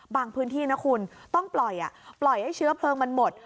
พื้นที่นะคุณต้องปล่อยปล่อยให้เชื้อเพลิงมันหมด